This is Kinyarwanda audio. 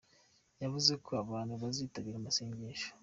Yavuze ko abantu bazitabira amasengesho